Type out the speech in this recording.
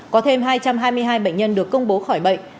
có thêm hai trăm hai mươi hai bệnh nhân được công bố khỏi bệnh